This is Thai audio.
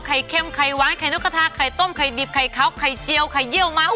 เค็มไข่หวานไข่นกกระทาไข่ต้มไข่ดิบไข่ขาวไข่เจียวไข่เยี่ยวเม้า